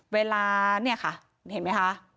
เวลาเนี่ยค่ะเห็นไหมคะ